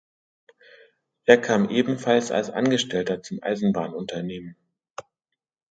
Er kam ebenfalls als Angestellter zum Eisenbahnunternehmen.